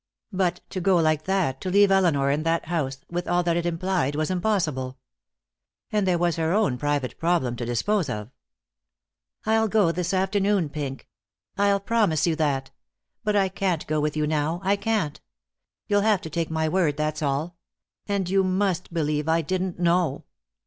But to go like that, to leave Elinor in that house, with all that it implied, was impossible. And there was her own private problem to dispose of. "I'll go this afternoon, Pink. I'll promise you that. But I can't go with you now. I can't. You'll have to take my word, that's all. And you must believe I didn't know."